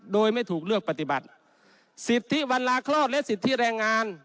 โดยไม่ถูกเลือกปฏิบัติสิทธิวันลาคลอดและสิทธิแรงงาน